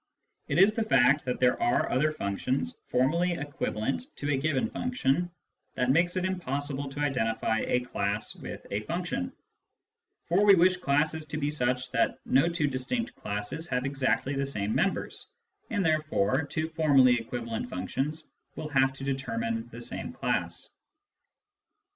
It is the fact that there are other functions formally equivalent to a given function that makes it impossible to identify a class with a function ; for we wish classes to be such that no two distinct classes have exactly the same members, and therefore two formally equivalent functions will have to determine the same class.